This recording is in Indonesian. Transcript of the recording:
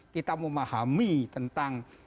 kita memahami tentang